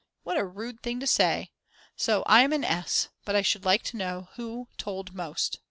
What a rude thing to say. So I am an S. But I should like to know who told most.